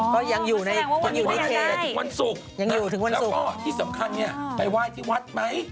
อ๋อมันแสดงว่าวันที่ไม่ได้มันอยู่ในวันที่วันศุกร์แล้วก็ที่สำคัญเนี่ยไปไหว้ที่วัดไหม